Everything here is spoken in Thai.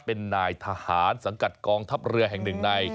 เป็นนายทหารสังกัดกองทัพเรือแห่งหนึ่งใน